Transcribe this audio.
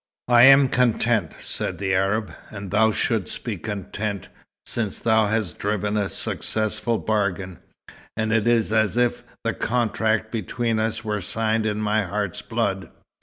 "I am content," said the Arab. "And thou shouldst be content, since thou hast driven a successful bargain, and it is as if the contract between us were signed in my heart's blood.